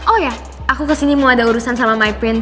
oh ya aku kesini mau ada urusan sama mypin